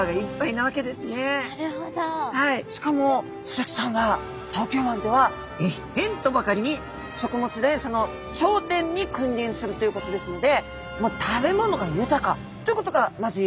しかもスズキちゃんは東京湾ではえっへんとばかりに食物連鎖の頂点に君臨するということですのでもう食べ物が豊かということがまず言えます。